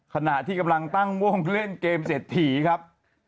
ขณะที่กำลังตั้งม่วงเล่นเกมเศรษฐีครับ